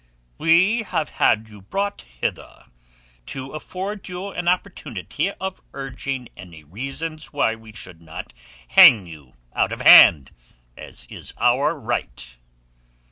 "We have had you brought hither to afford you an opportunity of urging any reasons why we should not hang you out of hand, as is our right."